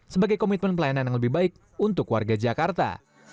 sebagai komitmen pelayanan yang lebih baik untuk warga jakarta